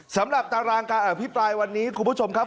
สำหรับตารางการอภิปรายวันนี้คุณผู้ชมครับ